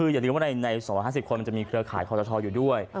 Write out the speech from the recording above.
อย่าลืมว่าใน๒๕๐คนมันจะมีเครือข่ายคอตชอยู่ด้วย